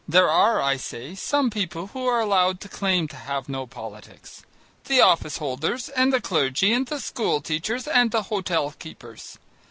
There are, I say, some people who are allowed to claim to have no politics, the office holders, and the clergy and the school teachers and the hotel keepers.